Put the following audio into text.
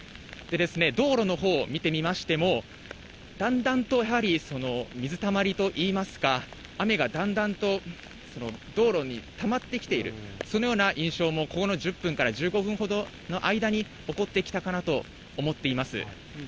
道路のほう見てみましても、だんだんとやはり水たまりといいますか、雨がだんだんと道路にたまってきている、そのような印象も、この１０分から１５分ほどの間に起こってきたかなと思っています。